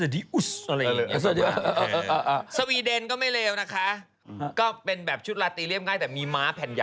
ดีนะเป็นเหมือนแบบเทพเจ้าสายฟ้าหรืออะไรอย่างนั้นนะ